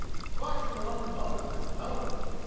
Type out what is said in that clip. "Sparks from a locomotive, I suppose."